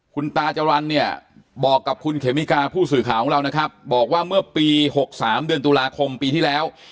คุณตาจรรย์เนี่ยบอกกับคุณเขมิกาผู้สื่อข่าวของเรานะครับบอกว่าเมื่อปี๖๓เดือนตุลาคมปีที่แล้ว